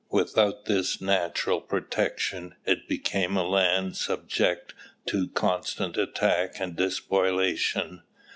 Without this natural protection it became a land subject to constant attack and despoliation.